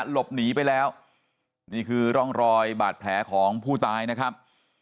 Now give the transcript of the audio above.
หลบหนีไปแล้วนี่คือร่องรอยบาดแผลของผู้ตายนะครับ